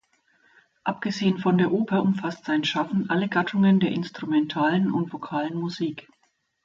Abgesehen von der Oper umfasst sein Schaffen alle Gattungen der instrumentalen und vokalen Musik.